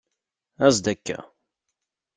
Aẓ-d akka!